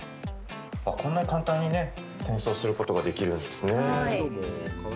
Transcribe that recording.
こんなに簡単に転送することができるんですね。